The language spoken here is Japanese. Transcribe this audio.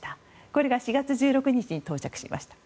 これが４月１６日に到着しました。